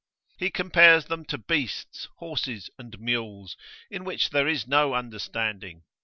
He compares them to beasts, horses, and mules, in which there is no understanding.